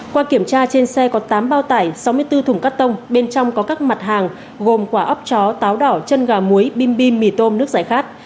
qua kiểm tra trên xe có tám bao tải sáu mươi bốn thùng cắt tông bên trong có các mặt hàng gồm quả ốc chó táo đỏ chân gà muối bim bim mì tôm nước giải khát